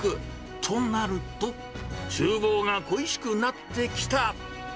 となると、ちゅう房が恋しくなってきた。